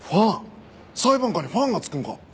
裁判官にファンがつくんか？